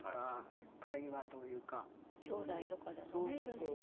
きょうだいとかでもねいるしね。